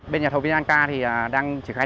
bên nhà thầu vnk thì đang triển khai